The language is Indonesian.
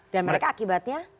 dan mereka akibatnya